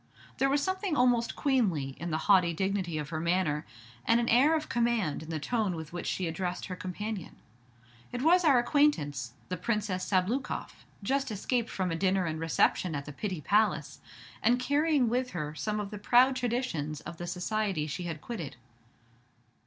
There was something almost queenly in the haughty dignity of her manner, and an air of command in the tone with which she addressed her companion. It was our acquaintance the Princess Sabloukoff, just escaped from a dinner and reception at the Pitti Palace, and carrying with her some of the proud traditions of the society she had quitted.